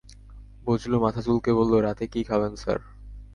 বজলু মাথা চুলকে বলল, রাতে কী খাবেন স্যার?